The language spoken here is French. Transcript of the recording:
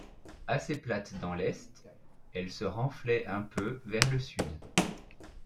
Assez plate dans l’est, elle se renflait un peu vers le sud.